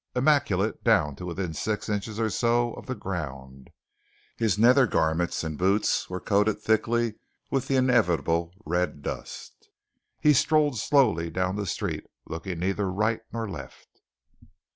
Immaculate down to within six inches or so of the ground, his nether garments and boots were coated thickly with the inevitable red dust. He strode slowly down the street, looking neither to right nor left.